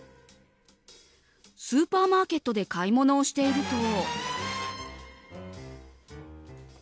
スーパーマーケットで買い物をしていると。